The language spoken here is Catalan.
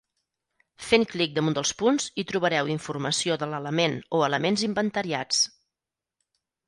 Fent clic damunt dels punts hi trobareu informació de l'element o elements inventariats.